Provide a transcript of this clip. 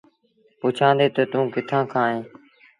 پُڇيآندي تا، توٚنٚ ڪِٿآنٚ کآݩ اهينٚ؟